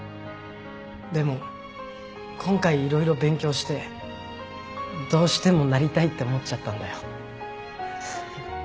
でも今回色々勉強してどうしてもなりたいって思っちゃったんだよ。